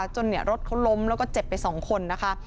จนรถเขาล้มแล้วก็เจ็บไป๒คนนะคะ